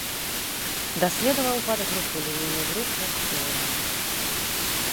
Даследаваў падгрупы лінейных груп над целамі.